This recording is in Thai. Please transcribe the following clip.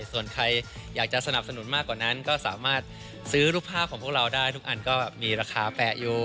ส่วนใครอยากจะสนับสนุนมากกว่านั้นก็สามารถซื้อรูปภาพของพวกเราได้ทุกอันก็มีราคาแปะอยู่